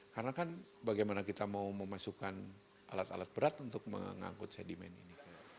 karena kan bagaimana kita mau memasukkan alat alat berat untuk mengangkut sedimen ini